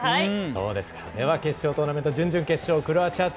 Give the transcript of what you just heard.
では、決勝トーナメント準々決勝クロアチア対